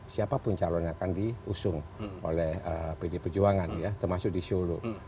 siapapun calon yang akan diusung oleh pd perjuangan ya termasuk di solo